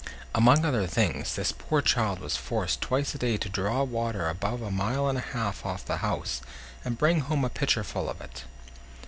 Among other things, this poor child was forced twice a day to draw water above a mile and a half off the house, and bring home a pitcher full of it.